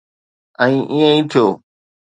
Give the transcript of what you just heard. ۽ ائين ئي ٿيو.